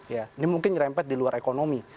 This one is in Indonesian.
ini mungkin rempet di luar ekonomi